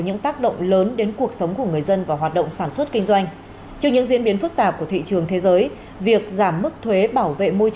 qua đó góp phần hỗ trợ phục hồi phát triển sản xuất kinh doanh phát triển kinh tế xã hội